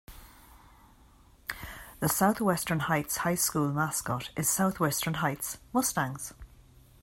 The Southwestern Heights High School mascot is Southwestern Heights Mustangs.